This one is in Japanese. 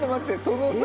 そのさ